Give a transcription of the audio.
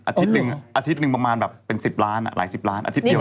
อาทิตย์นึงอ่ะอาทิตย์นึงประมาณแบบเป็นสิบล้านอ่ะหลายสิบล้านอาทิตย์เดียวน่ะ